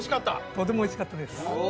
とてもおいしかったです。